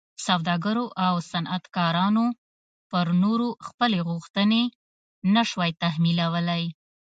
سوداګرو او صنعتکارانو پر نورو خپلې غوښتنې نه شوای تحمیلولی.